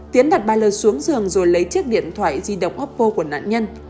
tiến đặt ba l xuống giường rồi lấy chiếc điện thoại di động oppo của nạn nhân